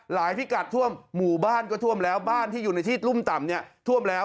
พิกัดท่วมหมู่บ้านก็ท่วมแล้วบ้านที่อยู่ในที่รุ่มต่ำเนี่ยท่วมแล้ว